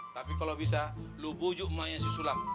tapi kalau bisa lo bujuk emangnya si sulam